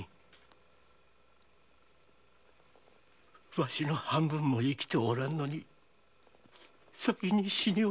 わしの半分も生きておらんのに先に死におって。